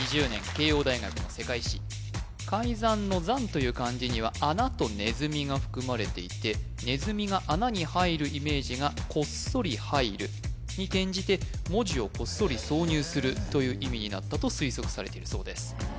慶應大学の世界史改竄の「竄」という漢字には穴と鼠が含まれていて鼠が穴に入るイメージがこっそり入るに転じて文字をこっそり挿入するという意味になったと推測されているそうです